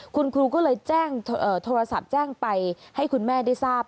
คุณครูก็เลยแจ้งโทรศัพท์แจ้งไปให้คุณแม่ได้ทราบ